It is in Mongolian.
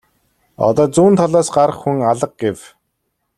Одоо зүүн талаас гарах хүн алга гэв.